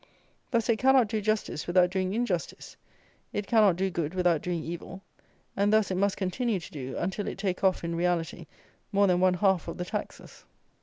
Thus it cannot do justice without doing injustice; it cannot do good without doing evil; and thus it must continue to do, until it take off, in reality, more than one half of the taxes.